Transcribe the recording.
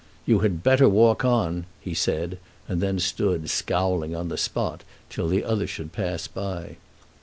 "You had better walk on," he said, and then stood, scowling, on the spot till the other should pass by.